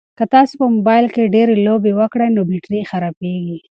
که تاسي په موبایل کې ډېرې لوبې وکړئ نو بېټرۍ خرابیږي.